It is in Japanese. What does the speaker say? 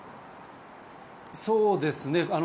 そうですね。